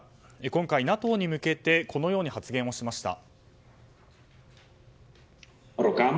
今回、ＮＡＴＯに向けてこのように発言しました。